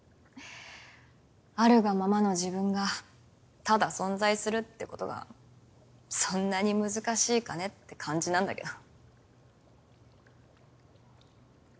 あるがままの自分がただ存在するってことがそんなに難しいかねって感じなんだけど。